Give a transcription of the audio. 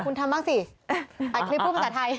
คุณทำบ้างสิอัดคลิปพูดภาษาไทย